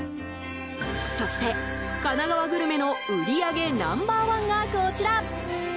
そして神奈川グルメの売り上げナンバー１がこちら。